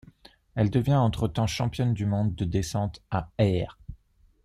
Elle devient entre temps championne du monde junior de descente à Åre.